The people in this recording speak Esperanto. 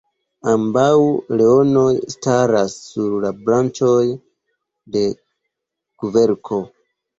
Ambaŭ leonoj staras sur branĉoj de kverko.